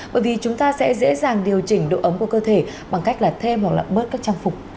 bởi vì chúng ta sẽ dễ dàng điều chỉnh độ ấm của cơ thể bằng cách là thêm hoặc là bớt các trang phục